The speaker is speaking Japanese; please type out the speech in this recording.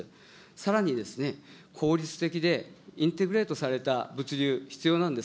さらに効率的で、インテグレートされた物流、必要なんです。